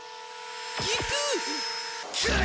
ギクッ！